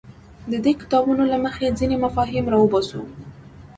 د دې کتابونو له مخې ځینې مفاهیم راوباسو.